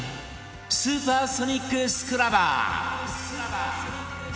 スーパーソニックスクラバー